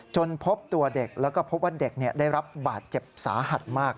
พบตัวเด็กแล้วก็พบว่าเด็กได้รับบาดเจ็บสาหัสมาก